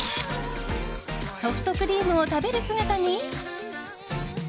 ソフトクリームを食べる姿に。